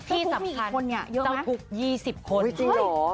ที่สำคัญจะถูก๒๐คนโอ้ยจริงหรอ